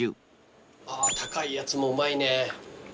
あぁ高いやつもうまいね。